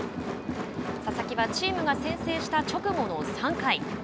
佐々木はチームが先制した直後の３回。